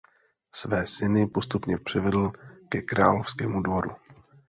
Své syny postupně přivedl ke královskému dvoru.